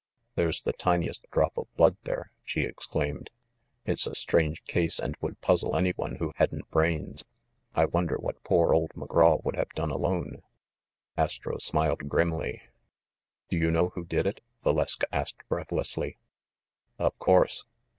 "There's the tiniest drop of blood there !" she exclaimed. "It's a strange case and would puzzle any one who hadn't brains. I wonder what poor old McGraw would have done alone?" Astro smiled grimly. "Do you know who did it?" Valeska asked breath lessly. "Of course."